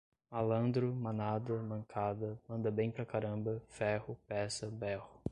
malandro, manada, mancada, manda bem pra caramba, ferro, peça, berro